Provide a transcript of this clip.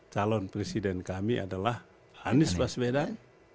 calon presiden kami adalah anies baswedan